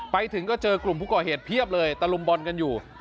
ไปถึงก็เจอกลุ่มผู้ก่อเหตุเพียบเลยตะลุมบอลกันอยู่